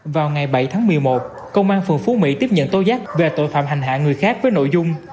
vào ngày bảy tháng một mươi một công an phường phú mỹ tiếp nhận tố giác về tội phạm hành hạ người khác với nội dung